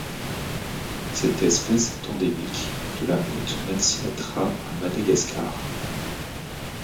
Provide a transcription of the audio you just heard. Cette espèce est endémique de la Haute Matsiatra à Madagascar.